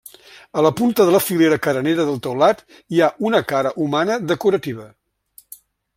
A la punta de la filera carenera del teulat hi ha una cara humana decorativa.